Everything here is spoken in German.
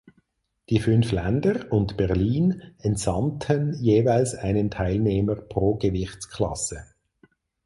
Die fünf Länder und Berlin entsandten jeweils einen Teilnehmer pro Gewichtsklasse.